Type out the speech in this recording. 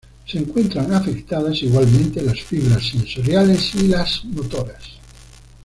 Se encuentran afectadas igualmente las fibras sensoriales y las motoras.